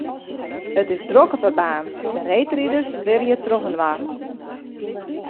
It is drok op 'e baan, de reedriders twirje trochinoar.